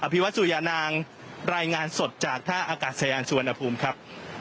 ภิวัตสุยานางรายงานสดจากท่าอากาศยานสุวรรณภูมิครับ